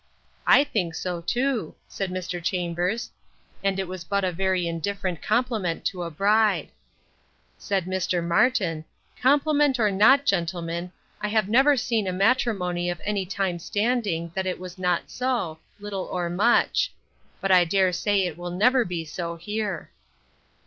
I think so too, said Mr. Chambers; and it was but a very indifferent compliment to a bride. Said Mr. Martin, Compliment or not, gentlemen, I have never seen a matrimony of any time standing, that it was not so, little or much: But I dare say it will never be so here.